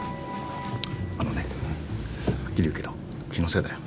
あのねはっきり言うけど気のせいだよ。